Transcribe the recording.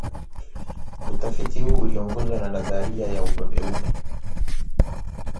Utafiti huu uliongozwa na nadharia ya ubabeume